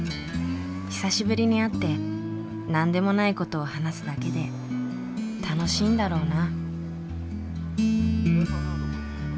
久しぶりに会って何でもない事を話すだけで楽しいんだろうな。